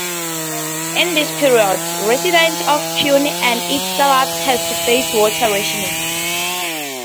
In this period, residents of Pune and its suburbs had to face water rationing.